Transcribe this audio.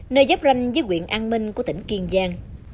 nơi giáp ranh với quyện an minh của tỉnh kiên giang